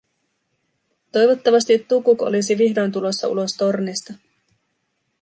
Toivottavasti Tukuk olisi vihdoin tulossa ulos tornista.